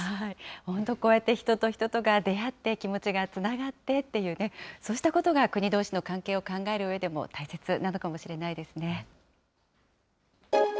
本当こうやって人と人とが出会って、気持ちがつながってっていうね、そうしたことが国どうしの関係を考えるうえでも大切なのかもしれないですね。